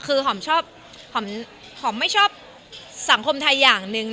คือหอมชอบหอมไม่ชอบสังคมไทยอย่างหนึ่ง